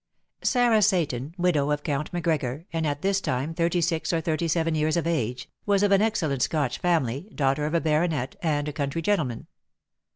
Sarah Seyton, widow of Count Macgregor, and at this time thirty six or thirty seven years of age, was of an excellent Scotch family, daughter of a baronet, and a country gentleman.